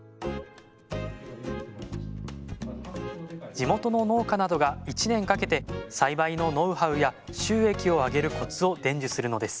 地元の農家などが１年かけて栽培のノウハウや収益を上げるコツを伝授するのです